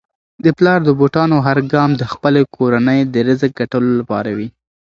د پلار د بوټانو هر ګام د خپلې کورنی د رزق ګټلو لپاره وي.